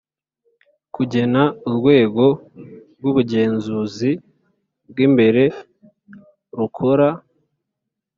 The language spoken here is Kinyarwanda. kugena urwego rw’ubugenzuzi bw’imbere rukora